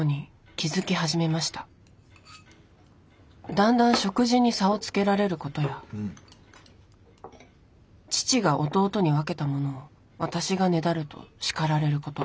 だんだん食事に差をつけられることや父が弟に分けたものを私がねだると叱られること。